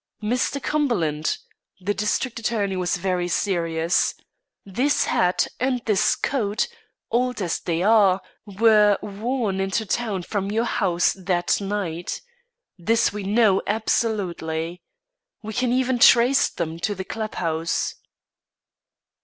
"Mr. Cumberland," the district attorney was very serious, "this hat and this coat, old as they are, were worn into town from your house that night. This we know, absolutely. We can even trace them to the club house."